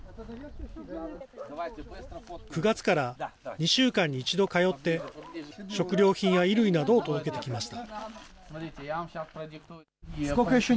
９月から２週間に１度通って、食料品や衣類などを届けてきました。